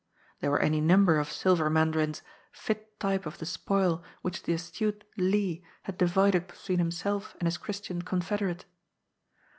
There were any number of silver mandarins, fit type of the spoil which the astute Li had divided between himself and his Christian confederate.